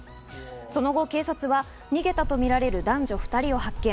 その後、警察は逃げたとみられる男女２人を発見。